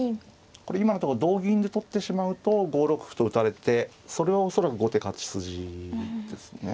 これ今のところ同銀で取ってしまうと５六歩と打たれてそれは恐らく後手勝ち筋ですね。